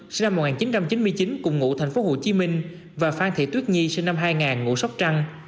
sinh năm một nghìn chín trăm chín mươi chín cùng ngụ thành phố hồ chí minh và phan thị tuyết nhi sinh năm hai nghìn ngụ sóc trăng